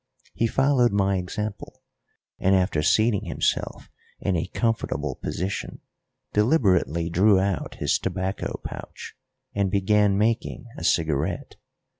He followed my example, and, after seating himself in a comfortable position, deliberately drew out his tobacco pouch and began making a cigarette.